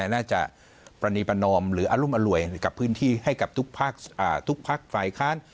น่าจะปรณีประนอมหรืออรุมอร่วยกับพื้นที่ให้กับทุกพักฝ่ายค้าน